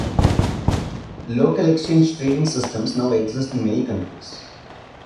Local exchange trading systems now exist in many countries.